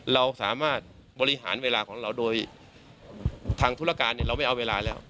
เราสามารถบริหารเวลาของเราโดยทางธุรการเนี่ยเราไม่เอาเวลาแล้ว